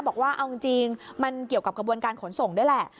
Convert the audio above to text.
บอกว่าเอาจริงมันเกี่ยวกับกระบวนการขนส่งด้วยแหละ